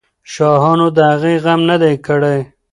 شاهانو د هغې غم نه دی کړی.